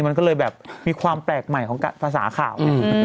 มันก็เลยแบบมีความแปลกใหม่ของภาษาข่าวไง